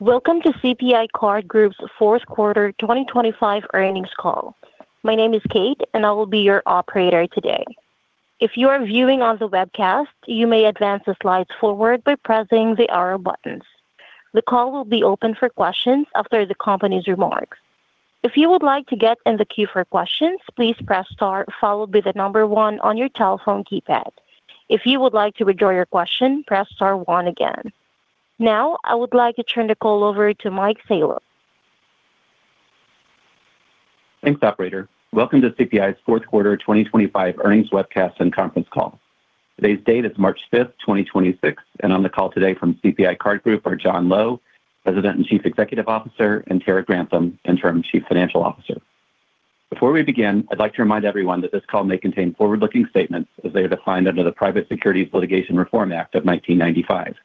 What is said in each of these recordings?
Welcome to CPI Card Group's fourth quarter 2025 earnings call. My name is Kate, and I will be your operator today. If you are viewing on the webcast, you may advance the slides forward by pressing the arrow buttons. The call will be open for questions after the company's remarks. If you would like to get in the queue for questions, please press star followed by the number one on your telephone keypad. If you would like to withdraw your question, press star one again. Now, I would like to turn the call over to Mike Salop. Thanks, operator. Welcome to CPI's fourth quarter 2025 earnings webcast and conference call. Today's date is March 5th, 2026. On the call today from CPI Card Group are John Lowe, President and Chief Executive Officer, and Terra Grantham, Interim Chief Financial Officer. Before we begin, I'd like to remind everyone that this call may contain forward-looking statements as they are defined under the Private Securities Litigation Reform Act of 1995.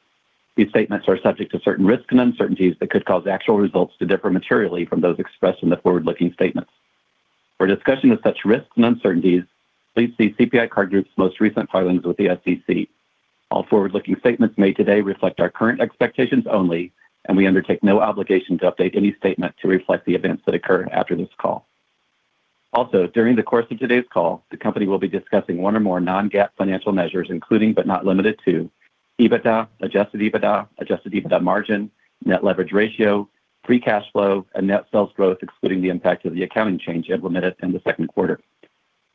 These statements are subject to certain risks and uncertainties that could cause actual results to differ materially from those expressed in the forward-looking statements. For a discussion of such risks and uncertainties, please see CPI Card Group's most recent filings with the SEC. All forward-looking statements made today reflect our current expectations only. We undertake no obligation to update any statement to reflect the events that occur after this call. During the course of today's call, the company will be discussing one or more non-GAAP financial measures, including, but not limited to EBITDA, Adjusted EBITDA, Adjusted EBITDA margin, net leverage ratio, free cash flow, and net sales growth excluding the impact of the accounting change implemented in the second quarter.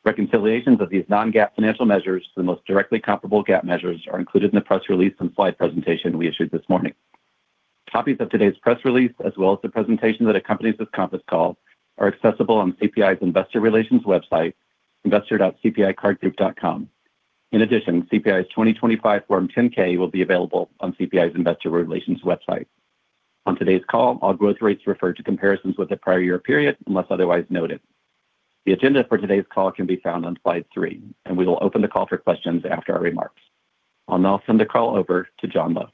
Reconciliations of these non-GAAP financial measures to the most directly comparable GAAP measures are included in the press release and slide presentation we issued this morning. Copies of today's press release, as well as the presentation that accompanies this conference call, are accessible on CPI's investor relations website, investor.cpicardgroup.com. In addition, CPI's 2025 Form 10-K will be available on CPI's investor relations website. On today's call, all growth rates refer to comparisons with the prior year period, unless otherwise noted. The agenda for today's call can be found on slide three, and we will open the call for questions after our remarks. I'll now send the call over to John Lowe.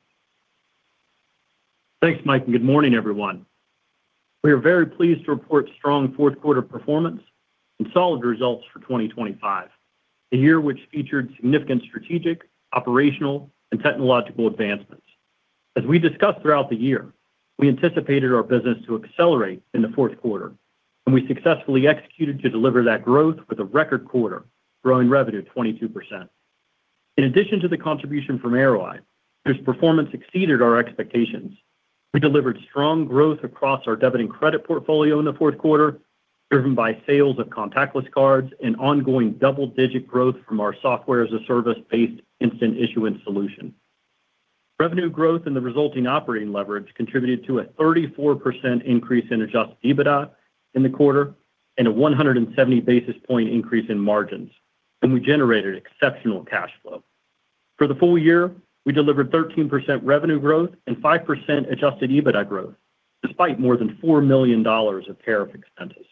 Thanks, Mike, and good morning, everyone. We are very pleased to report strong fourth quarter performance and solid results for 2025, a year which featured significant strategic, operational, and technological advancements. As we discussed throughout the year, we anticipated our business to accelerate in the fourth quarter, and we successfully executed to deliver that growth with a record quarter, growing revenue 22%. In addition to the contribution from Arroweye, whose performance exceeded our expectations, we delivered strong growth across our debit and credit portfolio in the fourth quarter, driven by sales of contactless cards and ongoing double-digit growth from our Software-as-a-Service-based instant issuance solution. Revenue growth and the resulting operating leverage contributed to a 34% increase in Adjusted EBITDA in the quarter and a 170 basis point increase in margins, and we generated exceptional cash flow. For the full year, we delivered 13% revenue growth and 5% Adjusted EBITDA growth, despite more than $4 million of tariff expenses.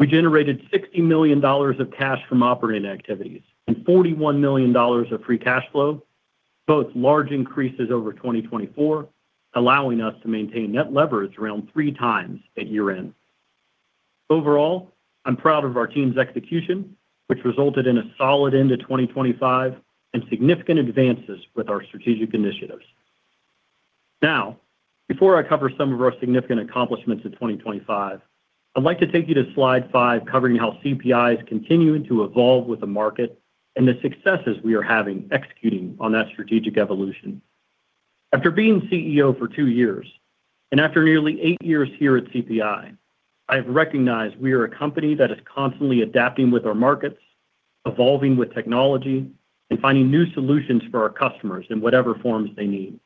We generated $60 million of cash from operating activities and $41 million of free cash flow, both large increases over 2024, allowing us to maintain net leverage around three times at year-end. Overall, I'm proud of our team's execution, which resulted in a solid end to 2025 and significant advances with our strategic initiatives. Before I cover some of our significant accomplishments in 2025, I'd like to take you to slide five, covering how CPI is continuing to evolve with the market and the successes we are having executing on that strategic evolution. After being CEO for two years, after nearly eight years here at CPI, I've recognized we are a company that is constantly adapting with our markets, evolving with technology, and finding new solutions for our customers in whatever forms they need.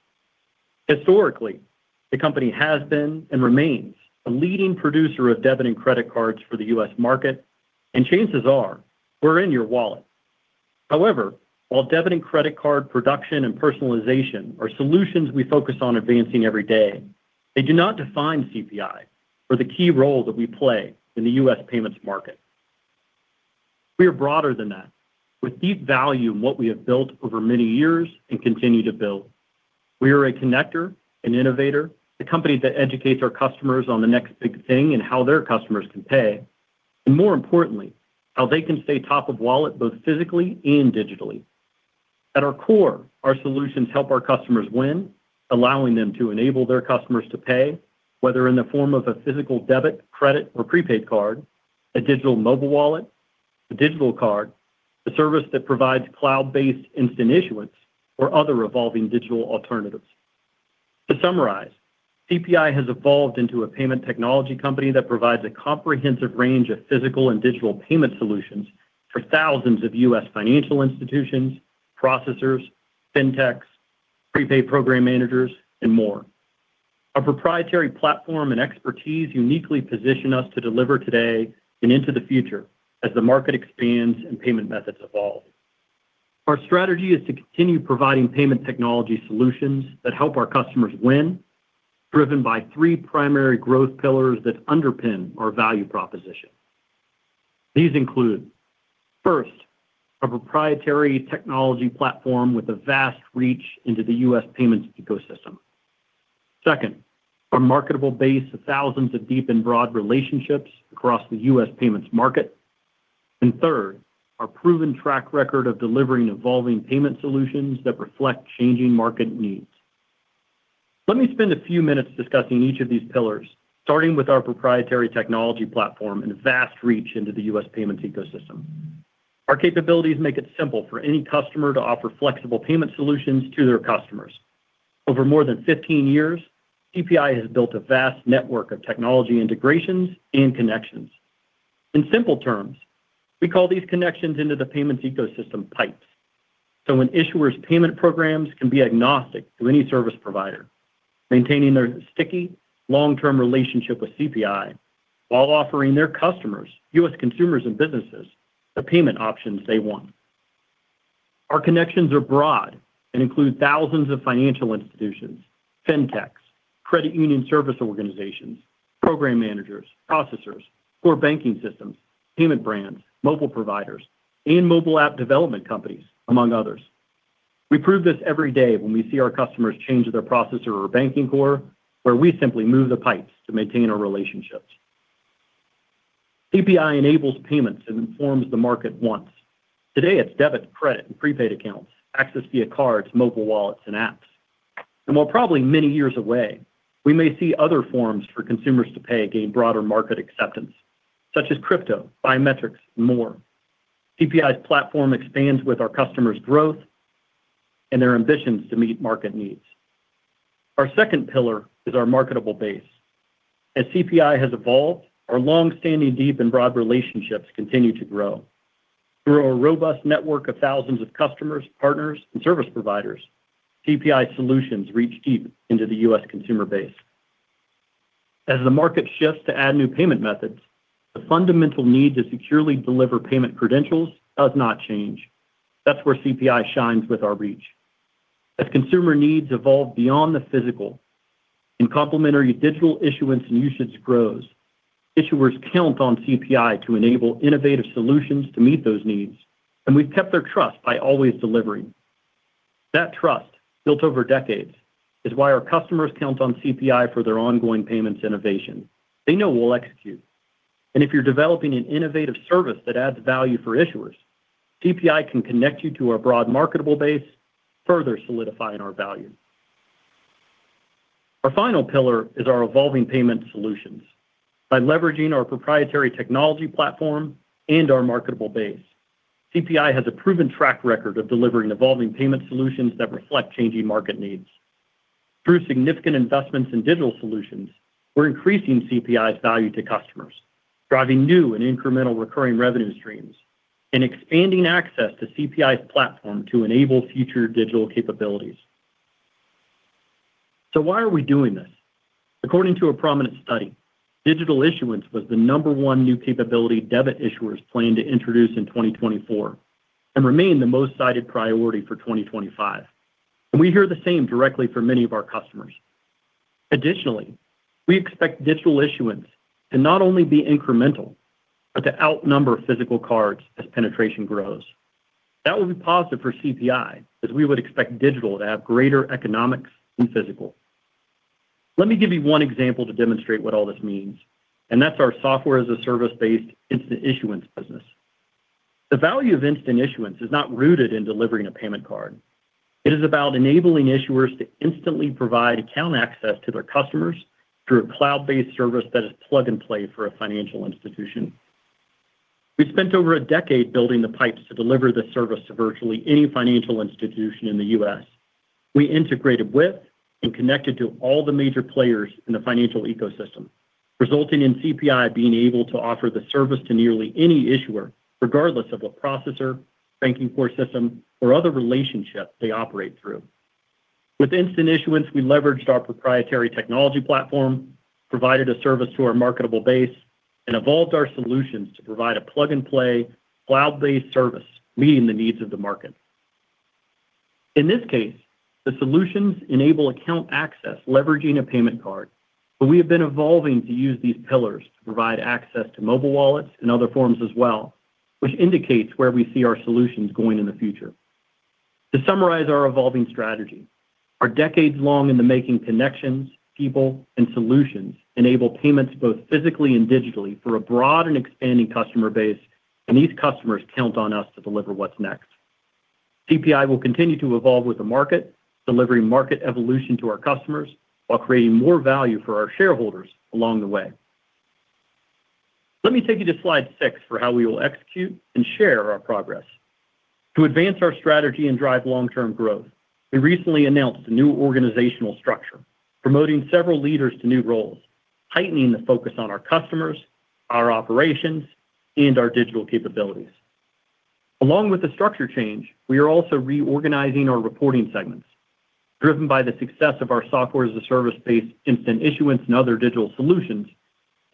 Historically, the company has been and remains a leading producer of debit and credit cards for the U.S. market, chances are we're in your wallet. However, while debit and credit card production and personalization are solutions we focus on advancing every day, they do not define CPI or the key role that we play in the U.S. payments market. We are broader than that, with deep value in what we have built over many years and continue to build. We are a connector, an innovator, a company that educates our customers on the next big thing and how their customers can pay, and more importantly, how they can stay top of wallet, both physically and digitally. At our core, our solutions help our customers win, allowing them to enable their customers to pay, whether in the form of a physical debit, credit, or prepaid card, a digital mobile wallet, a digital card, a service that provides cloud-based instant issuance or other evolving digital alternatives. To summarize, CPI has evolved into a payment technology company that provides a comprehensive range of physical and digital payment solutions for thousands of U.S. financial institutions, processors, fintechs, prepaid program managers, and more. Our proprietary platform and expertise uniquely position us to deliver today and into the future as the market expands and payment methods evolve. Our strategy is to continue providing payment technology solutions that help our customers win, driven by three primary growth pillars that underpin our value proposition. These include, first, a proprietary technology platform with a vast reach into the U.S. payments ecosystem. Second, our marketable base of thousands of deep and broad relationships across the U.S. payments market. Third, our proven track record of delivering evolving payment solutions that reflect changing market needs. Let me spend a few minutes discussing each of these pillars, starting with our proprietary technology platform and vast reach into the U.S. payments ecosystem. Our capabilities make it simple for any customer to offer flexible payment solutions to their customers. Over more than 15 years, CPI has built a vast network of technology integrations and connections. In simple terms, we call these connections into the payments ecosystem pipes. An issuer's payment programs can be agnostic to any service provider, maintaining their sticky, long-term relationship with CPI while offering their customers, U.S. consumers and businesses, the payment options they want. Our connections are broad and include thousands of financial institutions, Fintechs, Credit Union Service Organizations, program managers, processors, core banking systems, payment brands, mobile providers, and mobile app development companies, among others. We prove this every day when we see our customers change their processor or banking core, where we simply move the pipes to maintain our relationships. CPI enables payments and informs the market once. Today, it's debit, credit, and prepaid accounts, accessed via cards, mobile wallets, and apps. While probably many years away, we may see other forms for consumers to pay gain broader market acceptance, such as crypto, biometrics, and more. CPI's platform expands with our customers' growth and their ambitions to meet market needs. Our second pillar is our marketable base. As CPI has evolved, our long-standing deep and broad relationships continue to grow. Through our robust network of thousands of customers, partners, and service providers, CPI solutions reach deep into the U.S. consumer base. As the market shifts to add new payment methods, the fundamental need to securely deliver payment credentials does not change. That's where CPI shines with our reach. As consumer needs evolve beyond the physical and complementary digital issuance and usage grows, issuers count on CPI to enable innovative solutions to meet those needs, and we've kept their trust by always delivering. That trust, built over decades, is why our customers count on CPI for their ongoing payments innovation. They know we'll execute. If you're developing an innovative service that adds value for issuers, CPI can connect you to our broad marketable base, further solidifying our value. Our final pillar is our evolving payment solutions. By leveraging our proprietary technology platform and our marketable base, CPI has a proven track record of delivering evolving payment solutions that reflect changing market needs. Through significant investments in digital solutions, we're increasing CPI's value to customers, driving new and incremental recurring revenue streams, and expanding access to CPI's platform to enable future digital capabilities. Why are we doing this? According to a prominent study, digital issuance was the number one new capability debit issuers plan to introduce in 2024 and remain the most cited priority for 2025. We hear the same directly from many of our customers. Additionally, we expect digital issuance to not only be incremental, but to outnumber physical cards as penetration grows. That will be positive for CPI as we would expect digital to have greater economics than physical. Let me give you one example to demonstrate what all this means, and that's our Software-as-a-Service-based instant issuance business. The value of instant issuance is not rooted in delivering a payment card. It is about enabling issuers to instantly provide account access to their customers through a cloud-based service that is plug-and-play for a financial institution. We spent over a decade building the pipes to deliver the service to virtually any financial institution in the U.S. We integrated with and connected to all the major players in the financial ecosystem, resulting in CPI being able to offer the service to nearly any issuer, regardless of what processor, banking core system, or other relationships they operate through. With instant issuance, we leveraged our proprietary technology platform, provided a service to our marketable base, and evolved our solutions to provide a plug-and-play cloud-based service meeting the needs of the market. In this case, the solutions enable account access leveraging a payment card, but we have been evolving to use these pillars to provide access to mobile wallets and other forms as well, which indicates where we see our solutions going in the future. To summarize our evolving strategy, our decades-long in the making connections, people, and solutions enable payments both physically and digitally for a broad and expanding customer base. These customers count on us to deliver what's next. CPI will continue to evolve with the market, delivering market evolution to our customers while creating more value for our shareholders along the way. Let me take you to slide 6 for how we will execute and share our progress. To advance our strategy and drive long-term growth, we recently announced a new organizational structure promoting several leaders to new roles, heightening the focus on our customers, our operations, and our digital capabilities. Along with the structure change, we are also reorganizing our reporting segments, driven by the success of our Software-as-a-Service-based instant issuance and other digital solutions,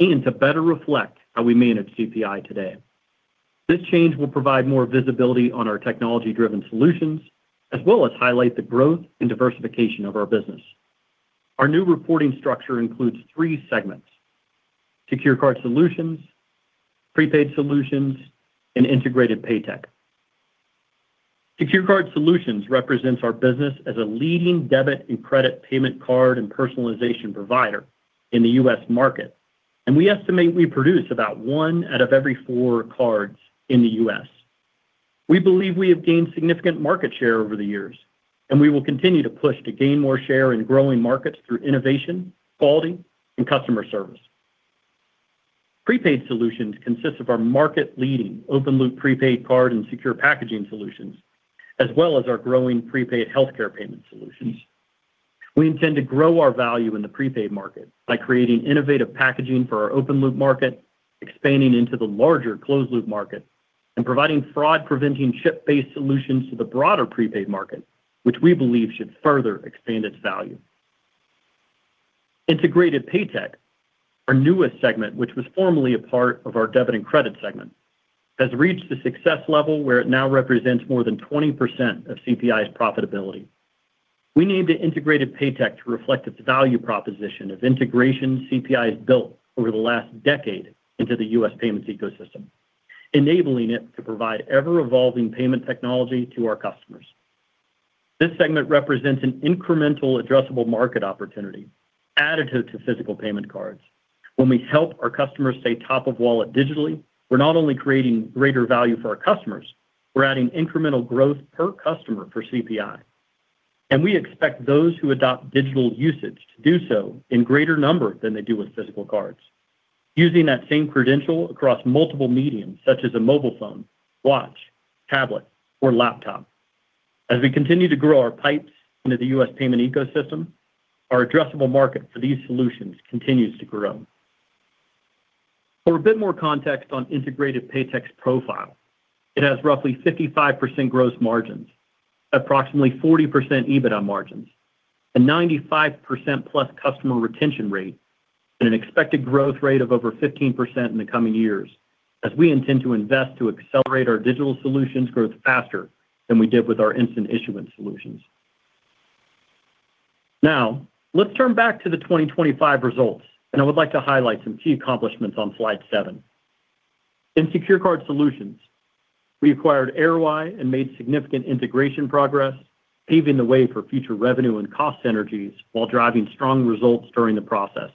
and to better reflect how we manage CPI today. This change will provide more visibility on our technology-driven solutions, as well as highlight the growth and diversification of our business. Our new reporting structure includes three segments: Secure Card Solutions, Prepaid Solutions, and Integrated Paytech. Secure Card Solutions represents our business as a leading debit and credit payment card and personalization provider in the U.S. market, and we estimate we produce about one out of every four cards in the U.S. We believe we have gained significant market share over the years, and we will continue to push to gain more share in growing markets through innovation, quality, and customer service. Prepaid Solutions consists of our market-leading open-loop prepaid card and secure packaging solutions, as well as our growing prepaid healthcare payment solutions. We intend to grow our value in the prepaid market by creating innovative packaging for our open-loop market, expanding into the larger closed-loop market, and providing fraud-preventing chip-based solutions to the broader prepaid market, which we believe should further expand its value. Integrated PayTech, our newest segment, which was formerly a part of our Debit and Credit segment, has reached the success level where it now represents more than 20% of CPI's profitability. We named it Integrated PayTech to reflect its value proposition of integration CPI has built over the last decade into the U.S. payments ecosystem, enabling it to provide ever-evolving payment technology to our customers. This segment represents an incremental addressable market opportunity added to physical payment cards. When we help our customers stay top of wallet digitally, we're not only creating greater value for our customers, we're adding incremental growth per customer for CPI. We expect those who adopt digital usage to do so in greater numbers than they do with physical cards. Using that same credential across multiple mediums such as a mobile phone, watch, tablet, or laptop. As we continue to grow our pipes into the U.S. payment ecosystem, our addressable market for these solutions continues to grow. For a bit more context on Integrated Paytech's profile, it has roughly 55% gross margins, approximately 40% EBITDA margins, a 95%+ customer retention rate, and an expected growth rate of over 15% in the coming years as we intend to invest to accelerate our digital solutions growth faster than we did with our instant issuance solutions. Now, let's turn back to the 2025 results, and I would like to highlight some key accomplishments on slide seven. In Secure Card Solutions, we acquired Arroweye and made significant integration progress, paving the way for future revenue and cost synergies while driving strong results during the process.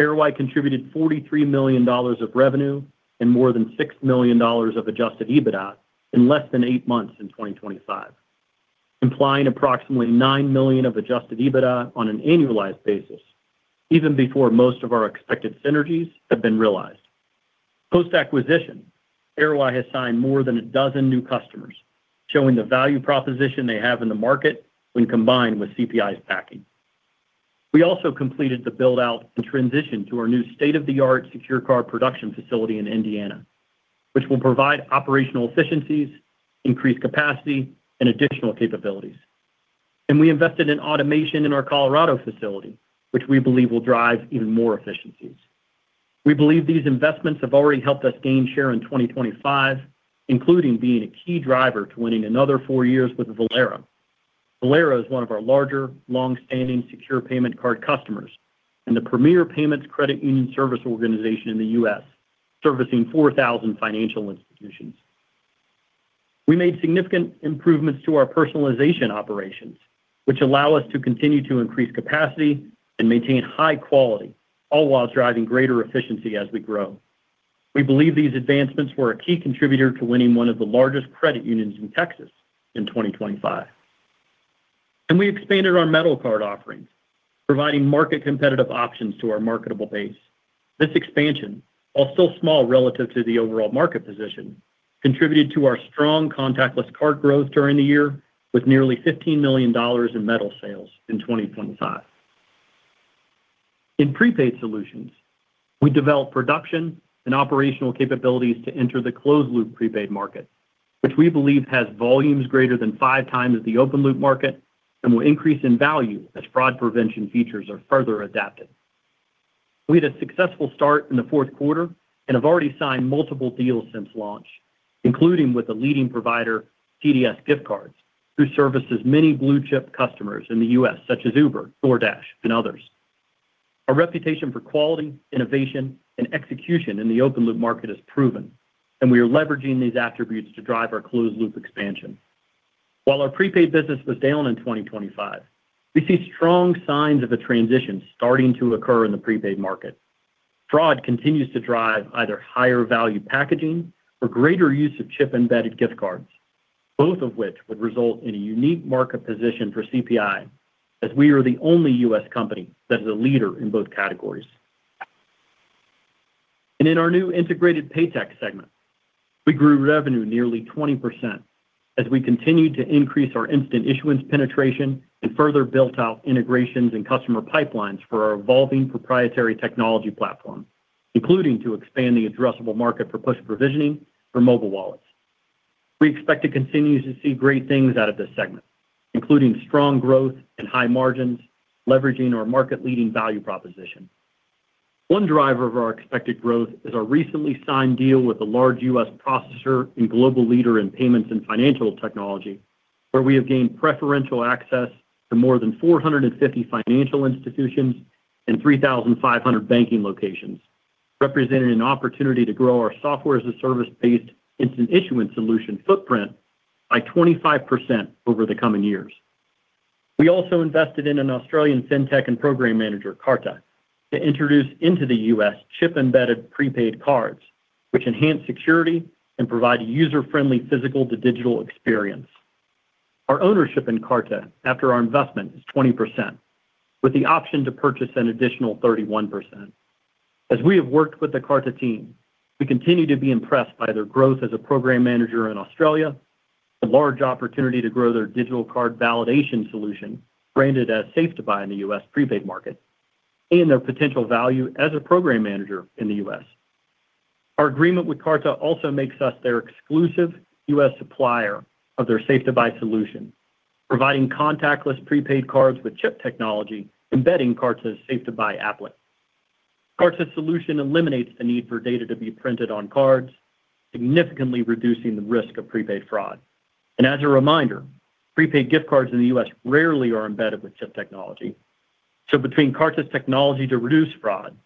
Arroweye contributed $43 million of revenue and more than $6 million of Adjusted EBITDA in less than eight months in 2025, implying approximately $9 million of Adjusted EBITDA on an annualized basis, even before most of our expected synergies have been realized. Post-acquisition, Arroweye has signed more than a dozen new customers, showing the value proposition they have in the market when combined with CPI's backing. We also completed the build-out and transition to our new state-of-the-art secure card production facility in Indiana, which will provide operational efficiencies, increased capacity, and additional capabilities. We invested in automation in our Colorado facility, which we believe will drive even more efficiencies. We believe these investments have already helped us gain share in 2025, including being a key driver to winning another four years with Valero. Valero is one of our larger, long-standing secure payment card customers and the premier payments Credit Union Service Organization in the U.S., servicing 4,000 financial institutions. We made significant improvements to our personalization operations, which allow us to continue to increase capacity and maintain high quality, all while driving greater efficiency as we grow. We believe these advancements were a key contributor to winning one of the largest credit unions in Texas in 2025. We expanded our metal card offerings, providing market competitive options to our marketable base. This expansion, while still small relative to the overall market position, contributed to our strong contactless cards growth during the year with nearly $15 million in metal sales in 2025. In Prepaid Solutions, we developed production and operational capabilities to enter the closed-loop prepaid market, which we believe has volumes greater than 5 times the open-loop market and will increase in value as fraud prevention features are further adapted. We had a successful start in the fourth quarter and have already signed multiple deals since launch, including with a leading provider, TDS Gift Cards, who services many blue-chip customers in the US, such as Uber, DoorDash, and others. Our reputation for quality, innovation, and execution in the open-loop market is proven, and we are leveraging these attributes to drive our closed-loop expansion. While our prepaid business was down in 2025, we see strong signs of a transition starting to occur in the prepaid market. Fraud continues to drive either higher value packaging or greater use of chip-embedded gift cards, both of which would result in a unique market position for CPI, as we are the only U.S. company that is a leader in both categories. In our new Integrated PayTech segment, we grew revenue nearly 20% as we continued to increase our instant issuance penetration and further built out integrations and customer pipelines for our evolving proprietary technology platform, including to expand the addressable market for push provisioning for mobile wallets. We expect to continue to see great things out of this segment, including strong growth and high margins, leveraging our market-leading value proposition. One driver of our expected growth is our recently signed deal with a large U.S. processor and global leader in payments and financial technology, where we have gained preferential access to more than 450 financial institutions and 3,500 banking locations. Representing an opportunity to grow our Software-as-a-Service-based instant issuance solution footprint by 25% over the coming years. We also invested in an Australian fintech and program manager, Karta, to introduce into the U.S. chip-embedded prepaid cards which enhance security and provide a user-friendly physical to digital experience. Our ownership in Karta after our investment is 20% with the option to purchase an additional 31%. As we have worked with the Karta team, we continue to be impressed by their growth as a program manager in Australia, the large opportunity to grow their digital card validation solution branded as SafeToBuy in the U.S. prepaid market, and their potential value as a program manager in the U.S. Our agreement with Karta also makes us their exclusive U.S. supplier of their SafeToBuy solution, providing contactless prepaid cards with chip technology embedding Karta's SafeToBuy applet. Karta's solution eliminates the need for data to be printed on cards, significantly reducing the risk of prepaid fraud. As a reminder, prepaid gift cards in the U.S. rarely are embedded with chip technology. Between Karta's technology to reduce fraud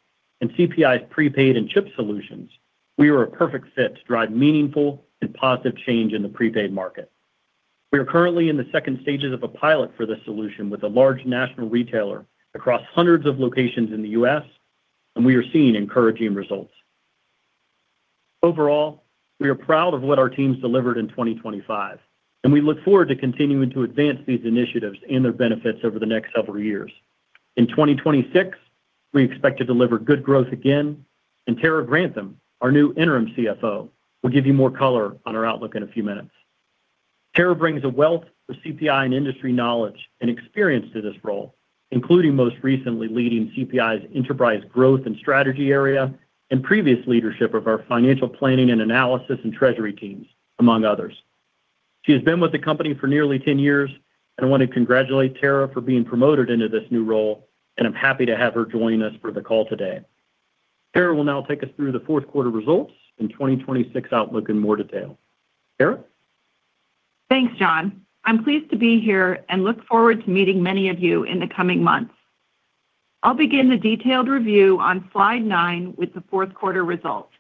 and CPI's prepaid and chip solutions, we are a perfect fit to drive meaningful and positive change in the prepaid market. We are currently in the second stages of a pilot for this solution with a large national retailer across hundreds of locations in the U.S. We are seeing encouraging results. Overall, we are proud of what our teams delivered in 2025, and we look forward to continuing to advance these initiatives and their benefits over the next several years. In 2026, we expect to deliver good growth again. Terra Grantham, our new interim CFO, will give you more color on our outlook in a few minutes. Terra brings a wealth of CPI and industry knowledge and experience to this role, including most recently leading CPI's enterprise growth and strategy area and previous leadership of our financial planning and analysis and treasury teams, among others. She has been with the company for nearly 10 years, and I want to congratulate Terra for being promoted into this new role, and I'm happy to have her join us for the call today. Terra will now take us through the fourth quarter results and 2026 outlook in more detail. Terra? Thanks, John. I'm pleased to be here and look forward to meeting many of you in the coming months. I'll begin the detailed review on slide nine with the fourth quarter results.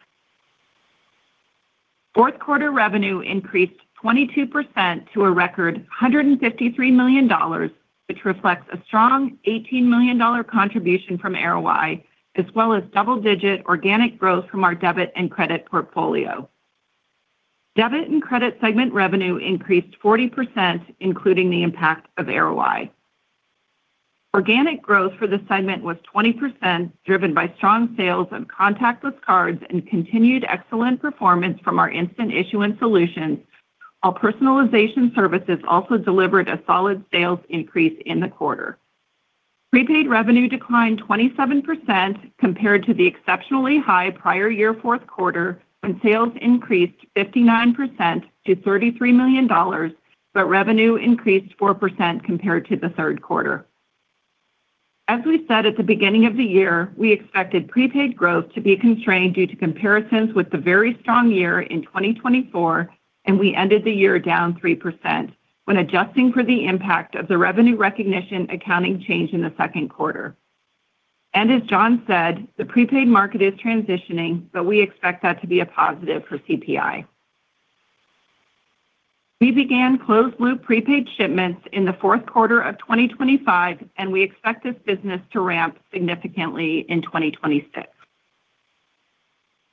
Fourth quarter revenue increased 22% to a record $153 million, which reflects a strong $18 million contribution from Arroweye, as well as double-digit organic growth from our debit and credit portfolio. Debit and credit segment revenue increased 40%, including the impact of Arroweye. Organic growth for the segment was 20%, driven by strong sales of contactless cards and continued excellent performance from our instant issuance solutions, while personalization services also delivered a solid sales increase in the quarter. Prepaid revenue declined 27% compared to the exceptionally high prior year fourth quarter when sales increased 59% to $33 million. Revenue increased 4% compared to the third quarter. As we said at the beginning of the year, we expected prepaid growth to be constrained due to comparisons with the very strong year in 2024, and we ended the year down 3% when adjusting for the impact of the revenue recognition accounting change in the second quarter. As John said, the prepaid market is transitioning, but we expect that to be a positive for CPI. We began closed-loop prepaid shipments in the fourth quarter of 2025, and we expect this business to ramp significantly in 2026.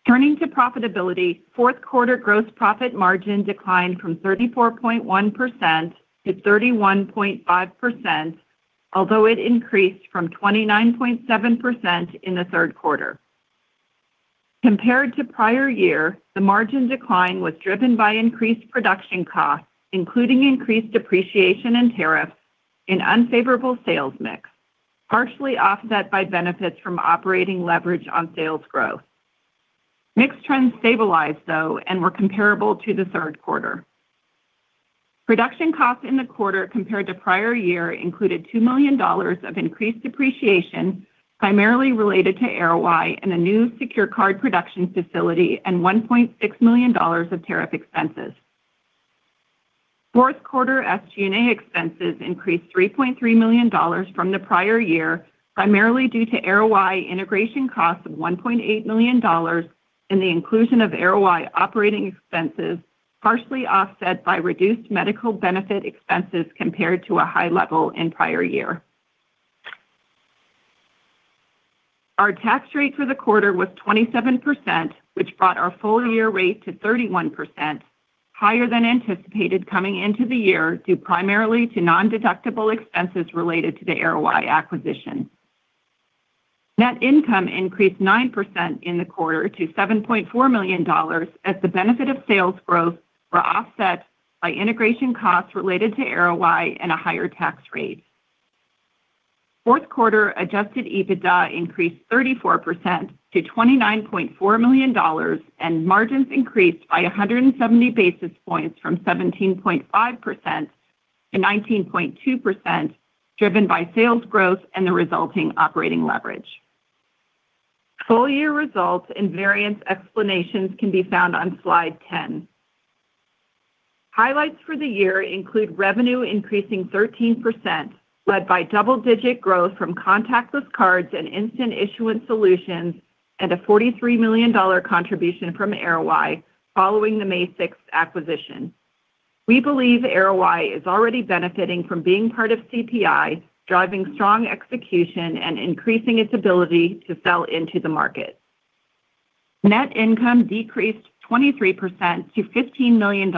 Turning to profitability, fourth quarter gross profit margin declined from 34.1% to 31.5%, although it increased from 29.7% in the third quarter. Compared to prior year, the margin decline was driven by increased production costs, including increased depreciation and tariffs in unfavorable sales mix, partially offset by benefits from operating leverage on sales growth. Mix trends stabilized though and were comparable to the third quarter. Production costs in the quarter compared to prior year included $2 million of increased depreciation, primarily related to Arroweye and a new secure card production facility and $1.6 million of tariff expenses. Fourth quarter SG&A expenses increased $3.3 million from the prior year, primarily due to Arroweye integration costs of $1.8 million and the inclusion of Arroweye operating expenses, partially offset by reduced medical benefit expenses compared to a high level in prior year. Our tax rate for the quarter was 27%, which brought our full-year rate to 31%, higher than anticipated coming into the year due primarily to nondeductible expenses related to the Arroweye acquisition. Net income increased 9% in the quarter to $7.4 million as the benefit of sales growth were offset by integration costs related to Arroweye and a higher tax rate. Fourth quarter Adjusted EBITDA increased 34% to $29.4 million and margins increased by 170 basis points from 17.5% to 19.2%, driven by sales growth and the resulting operating leverage. Full-year results and variance explanations can be found on slide 10. Highlights for the year include revenue increasing 13%, led by double-digit growth from contactless cards and instant issuance solutions and a $43 million contribution from Arroweye following the May 6 acquisition. We believe Arroweye is already benefiting from being part of CPI, driving strong execution and increasing its ability to sell into the market. Net income decreased 23% to $15 million,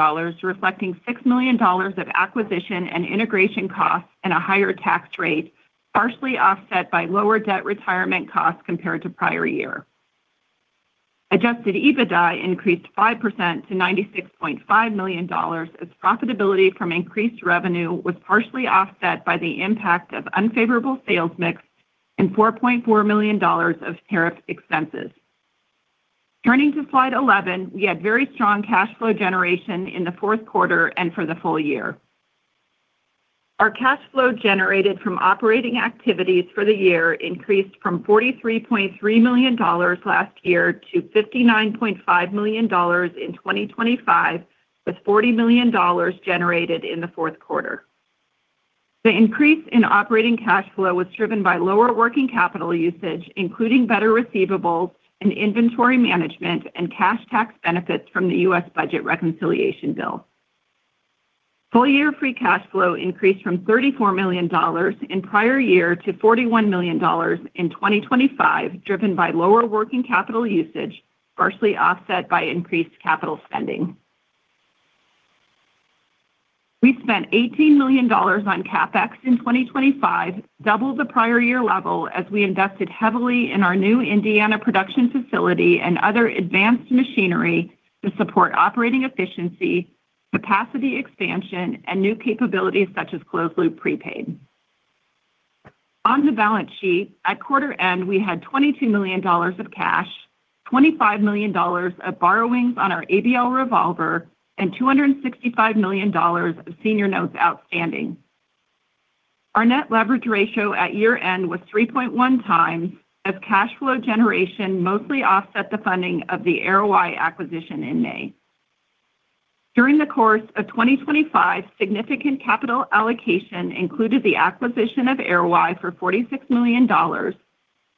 reflecting $6 million of acquisition and integration costs and a higher tax rate, partially offset by lower debt retirement costs compared to prior year. Adjusted EBITDA increased 5% to $96.5 million as profitability from increased revenue was partially offset by the impact of unfavorable sales mix and $4.4 million of tariff expenses. Turning to slide 11, we had very strong cash flow generation in the fourth quarter and for the full year. Our cash flow generated from operating activities for the year increased from $43.3 million last year to $59.5 million in 2025, with $40 million generated in the fourth quarter. The increase in operating cash flow was driven by lower working capital usage, including better receivables and inventory management and cash tax benefits from the U.S. Budget Reconciliation bill. Full year free cash flow increased from $34 million in prior year to $41 million in 2025, driven by lower working capital usage, partially offset by increased capital spending. We spent $18 million on CapEx in 2025, double the prior year level as we invested heavily in our new Indiana production facility and other advanced machinery to support operating efficiency, capacity expansion and new capabilities such as closed-loop prepaid. On the balance sheet, at quarter-end, we had $22 million of cash, $25 million of borrowings on our ABL revolver and $265 million of senior notes outstanding. Our Net Leverage Ratio at year-end was 3.1x as cash flow generation mostly offset the funding of the Arroweye acquisition in May. During the course of 2025, significant capital allocation included the acquisition of Arroweye for $46 million,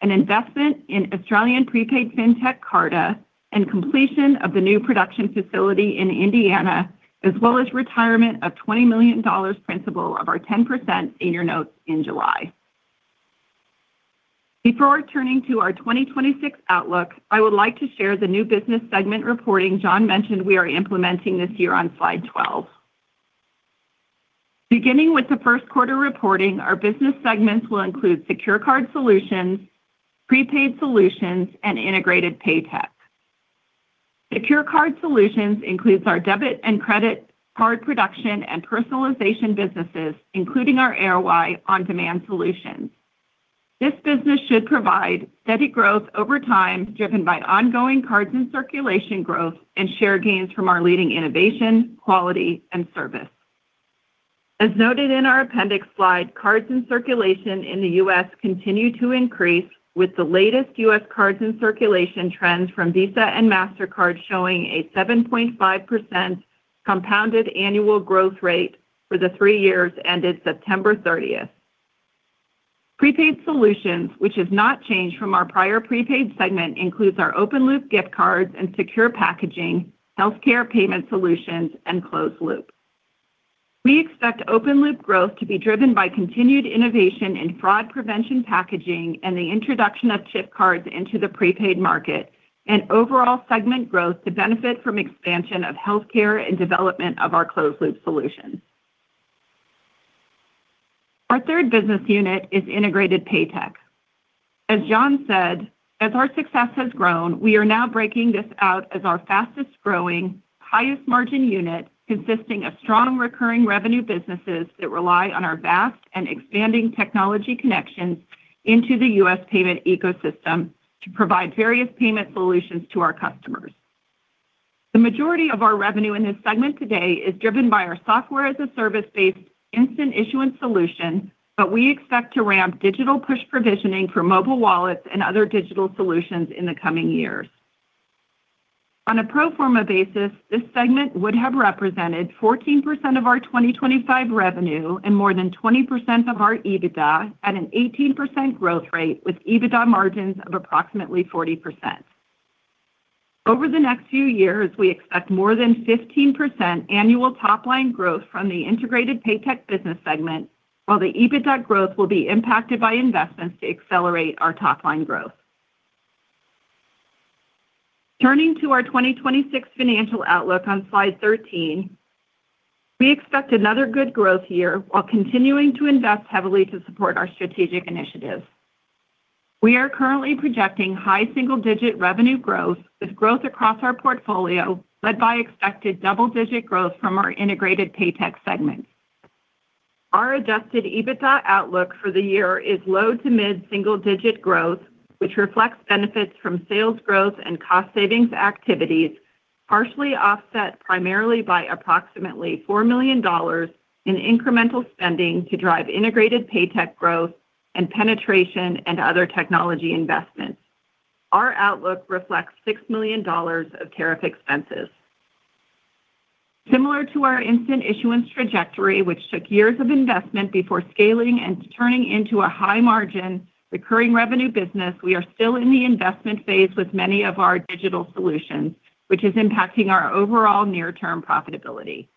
an investment in Australian prepaid Fintech Karta and completion of the new production facility in Indiana, as well as retirement of $20 million principal of our 10% senior notes in July. Before turning to our 2026 outlook, I would like to share the new business segment reporting John mentioned we are implementing this year on slide 12. Beginning with the first quarter reporting, our business segments will include Secure Card Solutions, Prepaid Solutions and Integrated Paytech. Secure Card Solutions includes our debit and credit card production and personalization businesses, including our Arroweye on-demand solutions. This business should provide steady growth over time, driven by ongoing cards and circulation growth and share gains from our leading innovation, quality and service. As noted in our appendix slide, cards in circulation in the U.S. continue to increase, with the latest U.S. cards in circulation trends from Visa and Mastercard showing a 7.5% compounded annual growth rate for the three years ended September 30th. Prepaid Solutions, which has not changed from our prior prepaid segment, includes our open-loop gift cards and secure packaging, healthcare payment solutions and closed-loop. We expect open-loop growth to be driven by continued innovation in fraud prevention packaging and the introduction of chip cards into the prepaid market and overall segment growth to benefit from expansion of healthcare and development of our closed-loop solutions. Our third business unit is Integrated Paytech. As John said, as our success has grown, we are now breaking this out as our fastest-growing, highest margin unit consisting of strong recurring revenue businesses that rely on our vast and expanding technology connections into the U.S. Payment ecosystem to provide various payment solutions to our customers. The majority of our revenue in this segment today is driven by our Software-as-a-Service-based instant issuance solution, but we expect to ramp digital push provisioning for mobile wallets and other digital solutions in the coming years. On a pro forma basis, this segment would have represented 14% of our 2025 revenue and more than 20% of our EBITDA at an 18% growth rate, with EBITDA margins of approximately 40%. Over the next few years, we expect more than 15% annual top-line growth from the Integrated Paytech business segment, while the EBITDA growth will be impacted by investments to accelerate our top-line growth. Turning to our 2026 financial outlook on slide 13, we expect another good growth year while continuing to invest heavily to support our strategic initiatives. We are currently projecting high single-digit revenue growth with growth across our portfolio led by expected double-digit growth from our Integrated Paytech segment. Our Adjusted EBITDA outlook for the year is low to mid single-digit growth, which reflects benefits from sales growth and cost savings activities, partially offset primarily by approximately $4 million in incremental spending to drive Integrated Paytech growth and penetration and other technology investments. Our outlook reflects $6 million of tariff expenses. Similar to our instant issuance trajectory, which took years of investment before scaling and turning into a high margin recurring revenue business, we are still in the investment phase with many of our digital solutions, which is impacting our overall near-term profitability.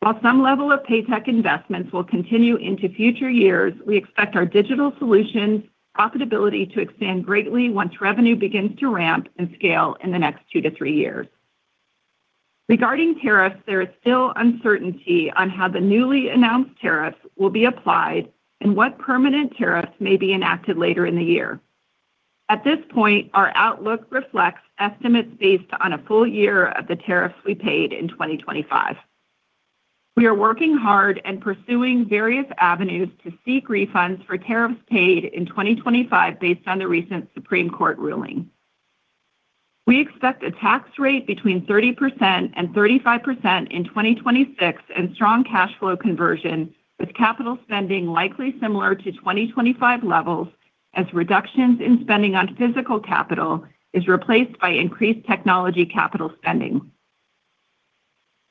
While some level of PayTech investments will continue into future years, we expect our digital solutions profitability to expand greatly once revenue begins to ramp and scale in the next two to three years. Regarding tariffs, there is still uncertainty on how the newly announced tariffs will be applied and what permanent tariffs may be enacted later in the year. At this point, our outlook reflects estimates based on a full year of the tariffs we paid in 2025. We are working hard and pursuing various avenues to seek refunds for tariffs paid in 2025 based on the recent Supreme Court ruling. We expect a tax rate between 30% and 35% in 2026 and strong cash flow conversion, with capital spending likely similar to 2025 levels as reductions in spending on physical capital is replaced by increased technology capital spending.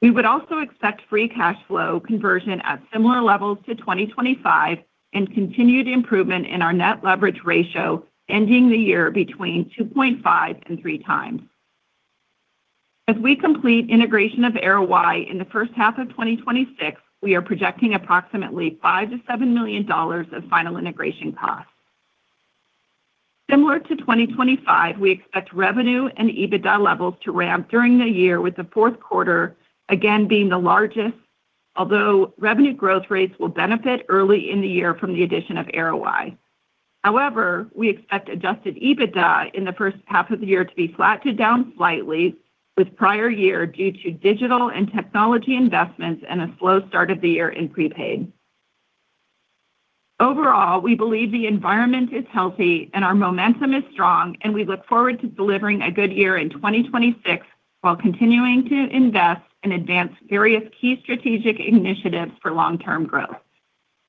We would also expect free cash flow conversion at similar levels to 2025 and continued improvement in our Net Leverage Ratio ending the year between 2.5x and 3x. As we complete integration of Arroweye in the first half of 2026, we are projecting approximately $5 million-$7 million of final integration costs. Similar to 2025, we expect revenue and EBITDA levels to ramp during the year with the fourth quarter again being the largest, although revenue growth rates will benefit early in the year from the addition of Arroweye. However, we expect Adjusted EBITDA in the first half of the year to be flat to down slightly with prior year due to digital and technology investments and a slow start of the year in prepaid. Overall, we believe the environment is healthy and our momentum is strong, and we look forward to delivering a good year in 2026 while continuing to invest and advance various key strategic initiatives for long-term growth.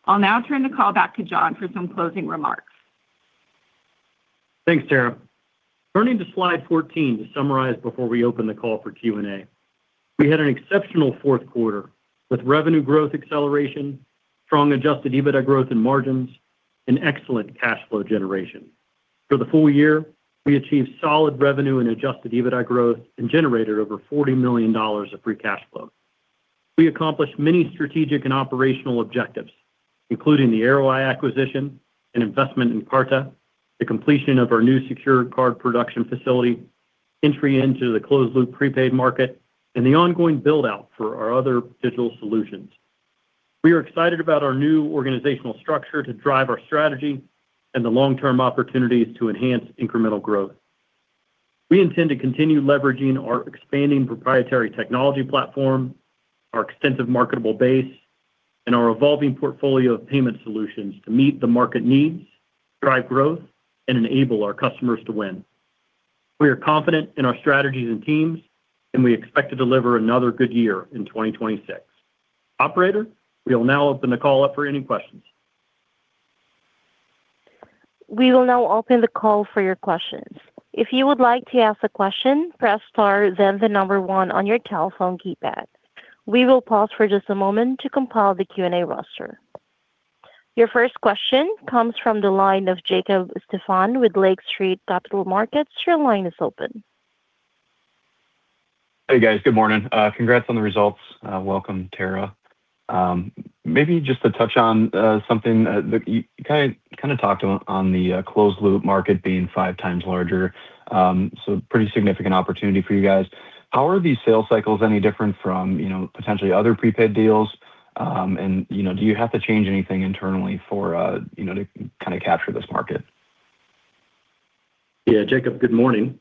I'll now turn the call back to John for some closing remarks. Thanks, Terra. Turning to slide 14 to summarize before we open the call for Q&A. We had an exceptional fourth quarter with revenue growth acceleration, strong Adjusted EBITDA growth and margins, excellent cash flow generation. For the full year, we achieved solid revenue and Adjusted EBITDA growth and generated over $40 million of free cash flow. We accomplished many strategic and operational objectives, including the Arroweye acquisition and investment in Karta, the completion of our new Secure Card production facility, entry into the closed-loop prepaid market, the ongoing build-out for our other digital solutions. We are excited about our new organizational structure to drive our strategy and the long-term opportunities to enhance incremental growth. We intend to continue leveraging our expanding proprietary technology platform, our extensive marketable base, and our evolving portfolio of payment solutions to meet the market needs, drive growth, and enable our customers to win. We are confident in our strategies and teams. We expect to deliver another good year in 2026. Operator, we will now open the call up for any questions. We will now open the call for your questions. If you would like to ask a question, press star then the number one on your telephone keypad. We will pause for just a moment to compile the Q&A roster. Your first question comes from the line of Jacob Stephan with Lake Street Capital Markets. Your line is open. Hey, guys. Good morning. Congrats on the results. Welcome, Terra. Maybe just to touch on something that you kinda talked on the closed-loop market being 5 times larger. Pretty significant opportunity for you guys. How are these sales cycles any different from, you know, potentially other prepaid deals? You know, do you have to change anything internally for, you know, to kinda capture this market? Yeah. Jacob, good morning.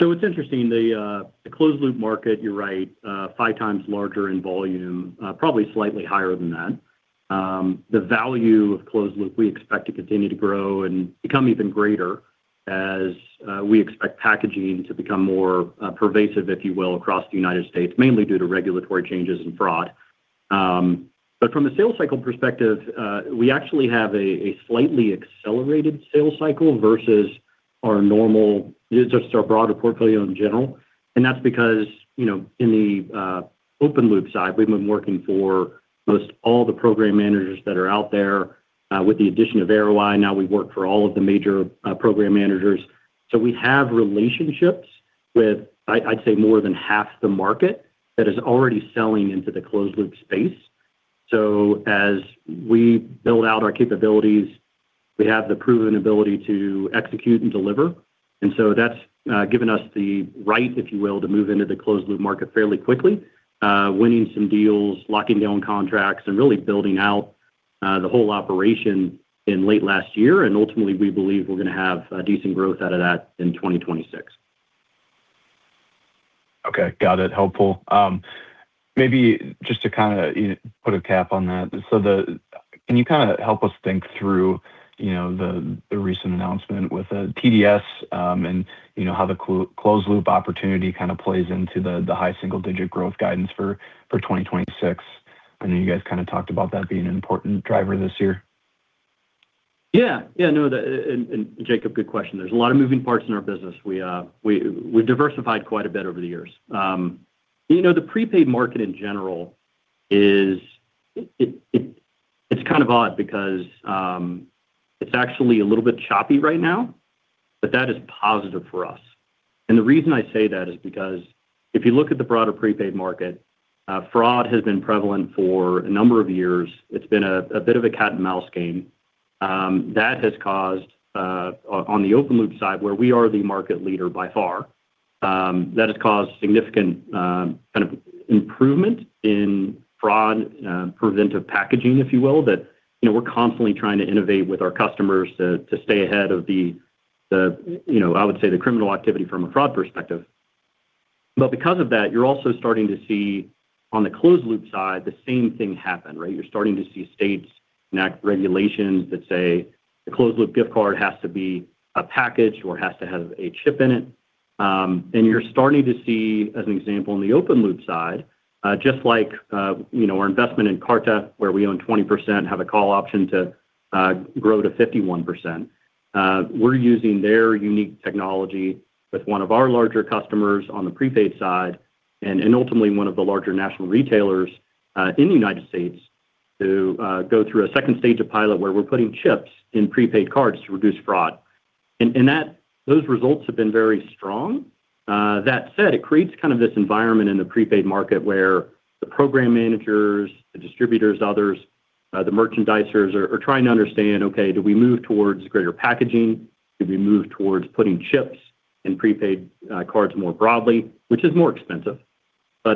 It's interesting. The closed-loop market, you're right, 5 times larger in volume, probably slightly higher than that. The value of closed-loop we expect to continue to grow and become even greater as we expect packaging to become more pervasive, if you will, across the United States, mainly due to regulatory changes and fraud. From a sales cycle perspective, we actually have a slightly accelerated sales cycle versus just our broader portfolio in general, that's because, you know, in the open-loop side, we've been working for most all the program managers that are out there. With the addition of Arroweye, now we work for all of the major program managers. We have relationships with I'd say more than half the market that is already selling into the closed-loop space. As we build out our capabilities, we have the proven ability to execute and deliver. That's given us the right, if you will, to move into the closed-loop market fairly quickly, winning some deals, locking down contracts, and really building out the whole operation in late last year. Ultimately, we believe we're gonna have decent growth out of that in 2026. Okay. Got it. Helpful. Maybe just to kinda put a cap on that. Can you kinda help us think through, you know, the recent announcement with TDS, and, you know, how the closed-loop opportunity kinda plays into the high single-digit growth guidance for 2026? I know you guys kind of talked about that being an important driver this year. Yeah. Yeah, no. Jacob, good question. There's a lot of moving parts in our business. We diversified quite a bit over the years. you know, the prepaid market in general is it's kind of odd because, it's actually a little bit choppy right now, but that is positive for us. The reason I say that is because if you look at the broader prepaid market, fraud has been prevalent for a number of years. It's been a bit of a cat-and-mouse game that has caused on the open-loop side, where we are the market leader by far, that has caused significant kind of improvement in fraud preventive packaging, if you will, that, you know, we're constantly trying to innovate with our customers to stay ahead of the, you know, I would say the criminal activity from a fraud perspective. Because of that, you're also starting to see on the closed-loop side, the same thing happen, right? You're starting to see states enact regulations that say the closed-loop gift card has to be a package or has to have a chip in it. You're starting to see, as an example, on the open-loop side, just like, you know, our investment in Karta, where we own 20%, have a call option to grow to 51%. We're using their unique technology with one of our larger customers on the prepaid side and, ultimately one of the larger national retailers in the United States to go through a second stage of pilot where we're putting chips in prepaid cards to reduce fraud. Those results have been very strong. That said, it creates kind of this environment in the prepaid market where the program managers, the distributors, others, the merchandisers are trying to understand, okay, do we move towards greater packaging? Do we move towards putting chips in prepaid cards more broadly, which is more expensive.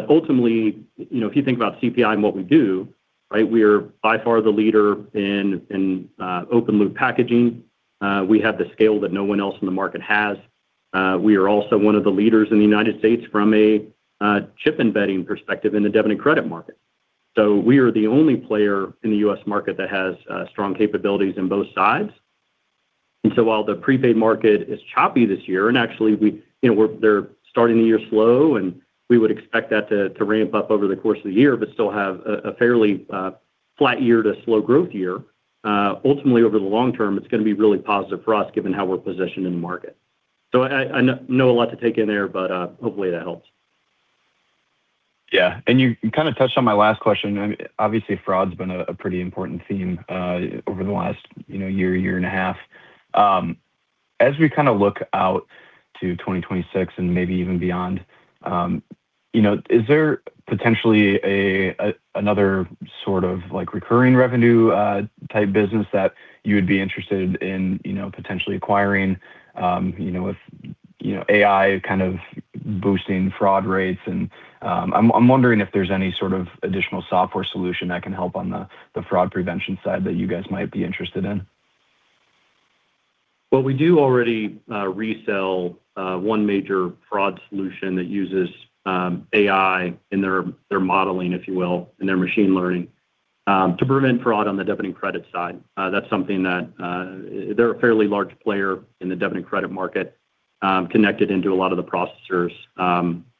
Ultimately, you know, if you think about CPI and what we do, right, we are by far the leader in open-loop packaging. We have the scale that no one else in the market has. We are also one of the leaders in the United States from a chip-embedded perspective in the debit and credit market. We are the only player in the U.S. market that has strong capabilities in both sides. While the prepaid market is choppy this year, and actually we, you know, they're starting the year slow, and we would expect that to ramp up over the course of the year, but still have a fairly flat year to slow growth year. Ultimately over the long term, it's going to be really positive for us given how we're positioned in the market. I know a lot to take in there, but hopefully that helps. Yeah. You kind of touched on my last question. I mean, obviously fraud's been a pretty important theme over the last, you know, year and a half. As we kind of look out to 2026 and maybe even beyond, you know, is there potentially another sort of like recurring revenue type business that you would be interested in, you know, potentially acquiring, you know, with, you know, AI kind of boosting fraud rates? I'm wondering if there's any sort of additional software solution that can help on the fraud prevention side that you guys might be interested in? We do already resell one major fraud solution that uses AI in their modeling, if you will, in their machine learning, to prevent fraud on the debit and credit side. That's something that they're a fairly large player in the debit and credit market, connected into a lot of the processors,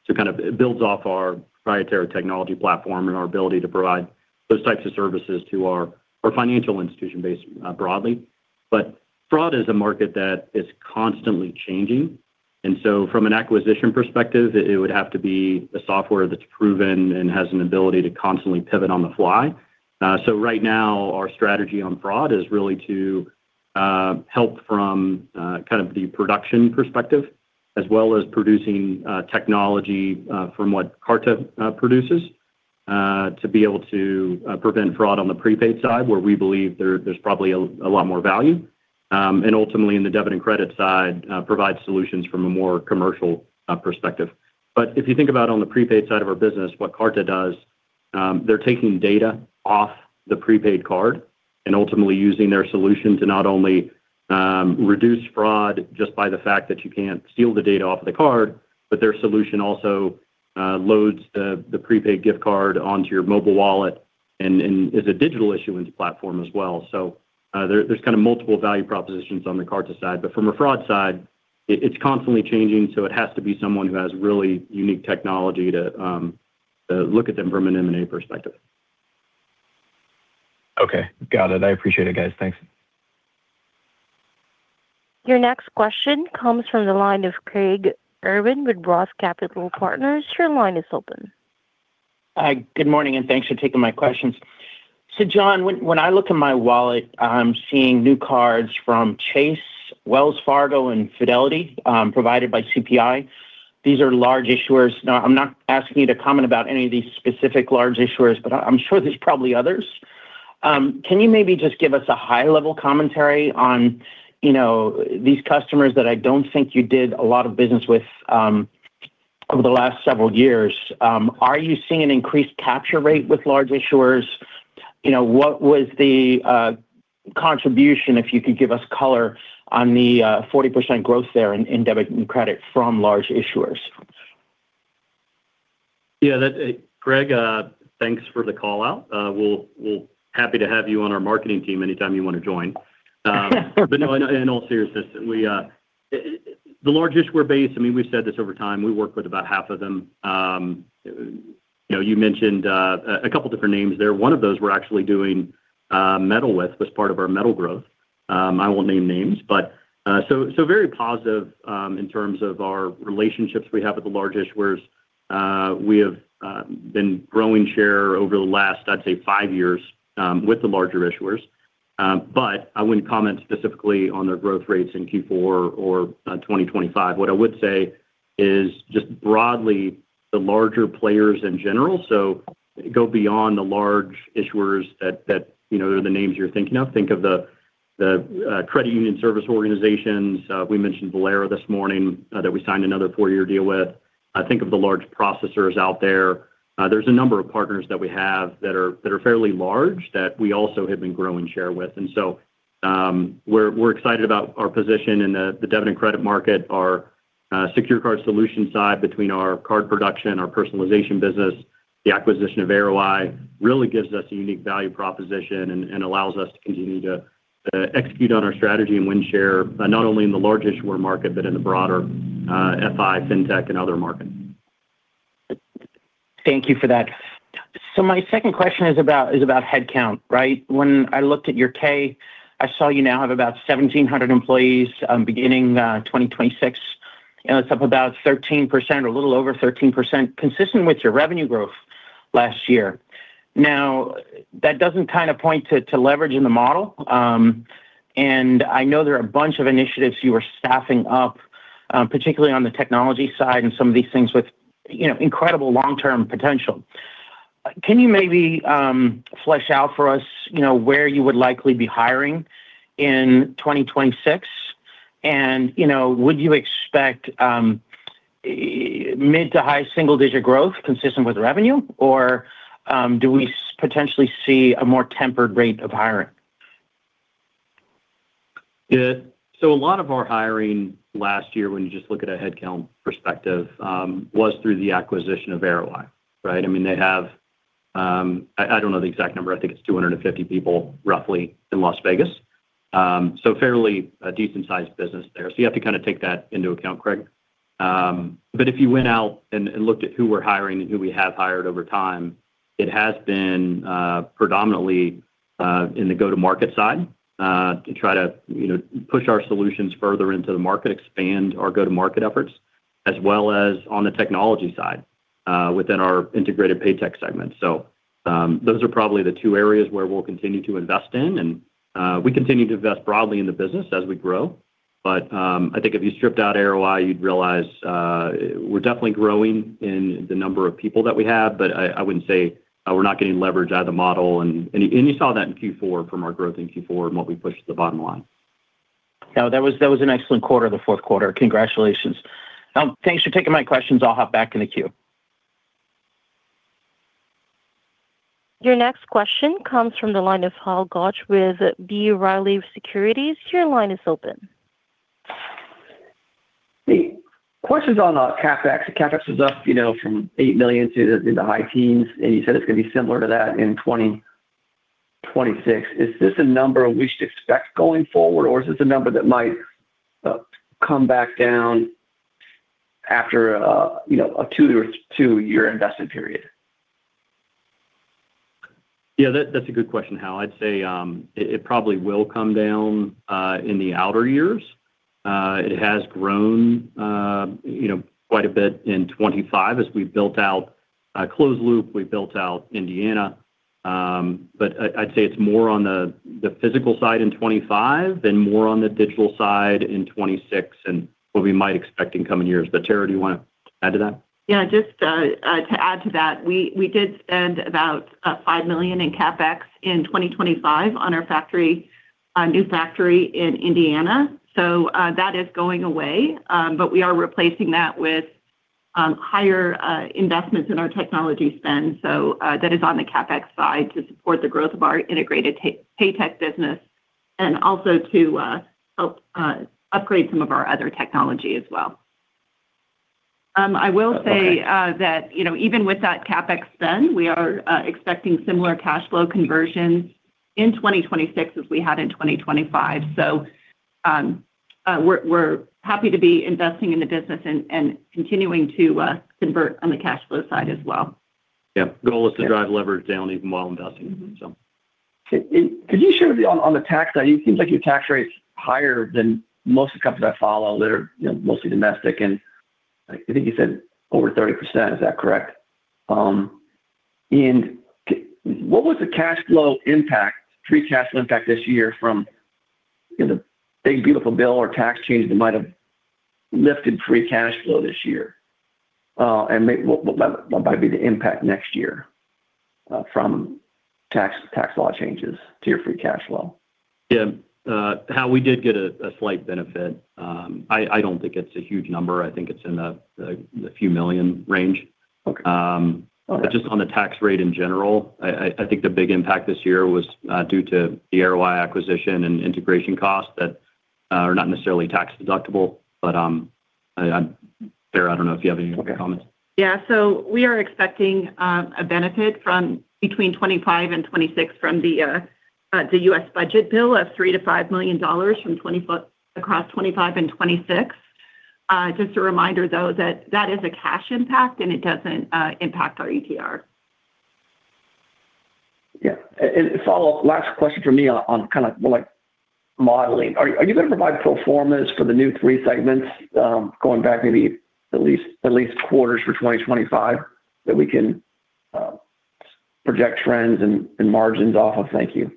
to kind of builds off our proprietary technology platform and our ability to provide those types of services to our financial institution base, broadly. Fraud is a market that is constantly changing. From an acquisition perspective, it would have to be a software that's proven and has an ability to constantly pivot on the fly. Right now our strategy on fraud is really to help from kind of the production perspective as well as producing technology from what Karta produces to be able to prevent fraud on the prepaid side where we believe there's probably a lot more value. Ultimately in the debit and credit side, provide solutions from a more commercial perspective. If you think about on the prepaid side of our business, what Karta does, they're taking data off the prepaid card and ultimately using their solution to not only reduce fraud just by the fact that you can't steal the data off the card, but their solution also loads the prepaid gift card onto your mobile wallet and is a digital issuance platform as well. There's kind of multiple value propositions on the Karta side. From a fraud side, it's constantly changing, so it has to be someone who has really unique technology to look at them from an M&A perspective. Okay. Got it. I appreciate it, guys. Thanks. Your next question comes from the line of Craig Irwin with ROTH Capital Partners. Your line is open. Hi, good morning, and thanks for taking my questions. John, when I look in my wallet, I'm seeing new cards from Chase, Wells Fargo, and Fidelity, provided by CPI. These are large issuers. I'm not asking you to comment about any of these specific large issuers, but I'm sure there's probably others. Can you maybe just give us a high level commentary on, you know, these customers that I don't think you did a lot of business with, over the last several years? Are you seeing an increased capture rate with large issuers? You know, what was the contribution, if you could give us color on the 40% growth there in debit and credit from large issuers? Yeah, Craig, thanks for the call out. We'll happy to have you on our marketing team anytime you want to join. No, in all seriousness, we The large issuer base, I mean, we've said this over time, we work with about half of them. You know, you mentioned a couple different names there. One of those we're actually doing metal with, was part of our metal growth. I won't name names, but, so very positive, in terms of our relationships we have with the large issuers. We have been growing share over the last, I'd say five years, with the larger issuers. I wouldn't comment specifically on their growth rates in Q4 or 2025. What I would say is just broadly the larger players in general, so go beyond the large issuers that, you know, are the names you're thinking of. Think of the Credit Union Service Organizations. We mentioned Valero this morning that we signed another four-year deal with. Think of the large processors out there. There's a number of partners that we have that are fairly large that we also have been growing share with. We're excited about our position in the debit and credit market. Our Secure Card Solutions side between our card production, our personalization business, the acquisition of Arroweye really gives us a unique value proposition and allows us to continue to execute on our strategy and win share, not only in the large issuer market, but in the broader FI, Fintech and other markets. Thank you for that. My second question is about headcount, right? When I looked at your K, I saw you now have about 1,700 employees beginning 2026, and it's up about 13% or a little over 13%, consistent with your revenue growth last year. That doesn't kind of point to leverage in the model. I know there are a bunch of initiatives you are staffing up, particularly on the technology side and some of these things with, you know, incredible long-term potential. Can you maybe flesh out for us, you know, where you would likely be hiring in 2026? Would you expect mid to high single-digit growth consistent with revenue? Or do we potentially see a more tempered rate of hiring? Yeah. A lot of our hiring last year, when you just look at a headcount perspective, was through the acquisition of Arroweye, right? I mean, they have, I don't know the exact number. I think it's 250 people roughly in Las Vegas. Fairly a decent sized business there. You have to kind of take that into account, Craig. If you went out and looked at who we're hiring and who we have hired over time, it has been predominantly in the go-to-market side to try to, you know, push our solutions further into the market, expand our go-to-market efforts, as well as on the technology side within our Integrated Paytech segment. Those are probably the two areas where we'll continue to invest in, we continue to invest broadly in the business as we grow. I think if you stripped out Arroweye, you'd realize we're definitely growing in the number of people that we have, but I wouldn't say we're not getting leverage out of the model and you saw that in Q4 from our growth in Q4 and what we pushed to the bottom line. That was an excellent quarter, the fourth quarter. Congratulations. Thanks for taking my questions. I'll hop back in the queue. Your next question comes from the line of Hal Goetsch with B. Riley Securities. Your line is open. Hey. Questions on CapEx. CapEx was up, you know, from $8 million to the high teens, and you said it's gonna be similar to that in 2026. Is this a number we should expect going forward, or is this a number that might come back down after, you know, a two or two-year investment period? Yeah, that's a good question, Hal. I'd say, it probably will come down in the outer years. It has grown, you know, quite a bit in 25 as we built out Closed Loop, we built out Indiana. I'd say it's more on the physical side in 25 than more on the digital side in 26 and what we might expect in coming years. Terra, do you want to add to that? Yeah, just to add to that, we did spend about $5 million in CapEx in 2025 on our factory, new factory in Indiana. That is going away. We are replacing that with higher investments in our technology spend. That is on the CapEx side to support the growth of our Integrated Paytech business and also to help upgrade some of our other technology as well. Okay. That, you know, even with that CapEx spend, we are expecting similar cash flow conversion in 2026 as we had in 2025. We're happy to be investing in the business and continuing to convert on the cash flow side as well. Yeah. The goal is to drive leverage down even while investing, so. Could you share with me on the tax side, it seems like your tax rate's higher than most of the companies I follow that are, you know, mostly domestic, and I think you said over 30%. Is that correct? What was the cash flow impact, free cash flow impact this year from, you know, the Big Beautiful Bill or tax change that might have lifted free cash flow this year? What might be the impact next year from tax law changes to your free cash flow? Yeah. Hal, we did get a slight benefit. I don't think it's a huge number. I think it's in the few million range. Okay. Okay. Just on the tax rate in general, I think the big impact this year was due to the Arroweye acquisition and integration costs that are not necessarily tax deductible. I Terra, I don't know if you have any comments? We are expecting a benefit from between 25 and 26 from the U.S. budget bill of $3 million-$5 million across 25 and 26. Just a reminder, though, that that is a cash impact and it doesn't impact our ETR. A follow-up last question from me on kinda more like modeling. Are you gonna provide pro formas for the new three segments, going back maybe at least quarters for 2025 that we can project trends and margins off of? Thank you.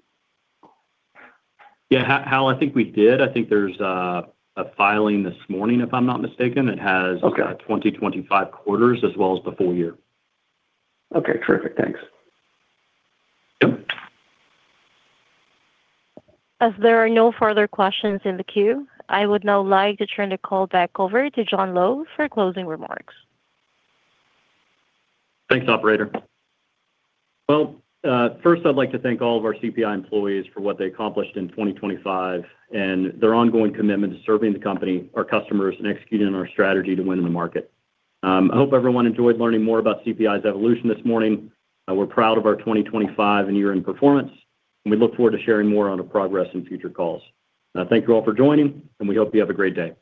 Yeah. Hal, I think we did. I think there's a filing this morning, if I'm not mistaken. Okay. It has the 2025 quarters as well as the full year. Okay. Terrific. Thanks. Yep. As there are no further questions in the queue, I would now like to turn the call back over to John Lowe for closing remarks. Thanks, operator. First I'd like to thank all of our CPI employees for what they accomplished in 2025 and their ongoing commitment to serving the company, our customers, and executing our strategy to win in the market. I hope everyone enjoyed learning more about CPI's evolution this morning. We're proud of our 2025 and year-end performance, and we look forward to sharing more on the progress in future calls. Thank you all for joining, and we hope you have a great day.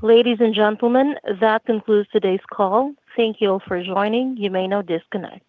Ladies and gentlemen, that concludes today's call. Thank you all for joining. You may now disconnect.